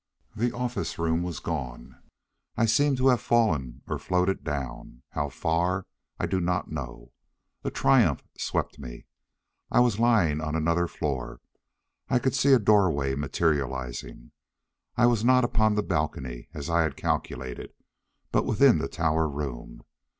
The office room was gone. I seemed to have fallen or floated down how far I do not know. A triumph swept me. I was lying on another floor. I could see a doorway materializing. I was not upon the balcony as I had calculated, but within the tower room.